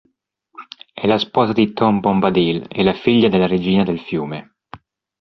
È la sposa di Tom Bombadil, e la figlia della Regina del Fiume.